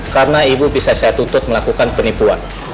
karena ibu bisa saya tutup melakukan penipuan